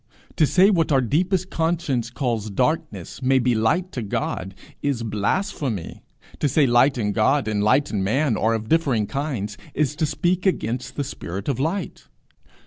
To say that what our deepest conscience calls darkness may be light to God, is blasphemy; to say light in God and light in man are of differing kinds, is to speak against the spirit of light.